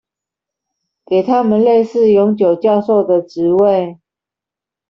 給他們類似永久教授的職位